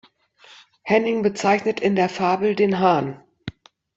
Henning bezeichnet in der Fabel den Hahn.